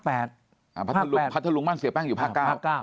พระทะลุงมั่นเสียแป้งอยู่ภาค๙